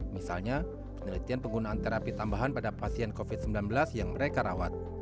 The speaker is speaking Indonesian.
misalnya penelitian penggunaan terapi tambahan pada pasien covid sembilan belas yang mereka rawat